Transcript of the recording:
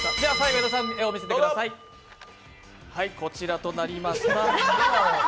こちらとなりました。